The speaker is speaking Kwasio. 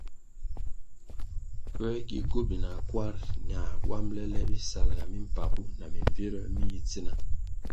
Pue gi gobina kwarʼ na wambʼle le bisalʼga mimpagu na mimbvire mi yi tsina?